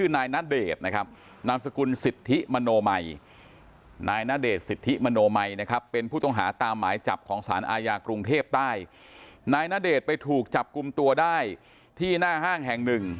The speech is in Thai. นายณเดชน์ไปถูกจับกลุ่มตัวได้ที่หน้าห้างแห่งหนึ่ง